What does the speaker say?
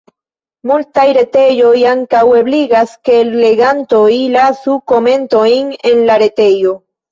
Multaj retejoj ankaŭ ebligas ke legantoj lasu komentojn en la retejo.